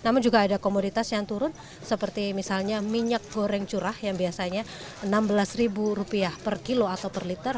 namun juga ada komoditas yang turun seperti misalnya minyak goreng curah yang biasanya rp enam belas per kilo atau per liter